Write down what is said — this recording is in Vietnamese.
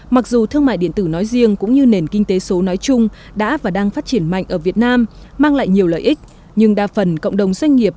mang lại nhiều lợi ích nhưng đa phần cộng đồng doanh nghiệp